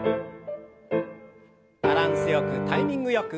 バランスよくタイミングよく。